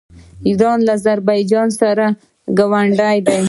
ایران له اذربایجان سره ګاونډی دی.